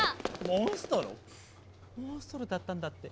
モンストロだったんだって。